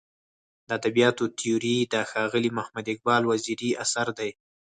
د ادبیاتو تیوري د ښاغلي محمد اقبال وزیري اثر دی.